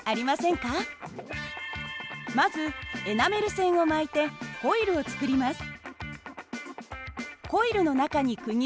まずエナメル線を巻いてコイルを作ります。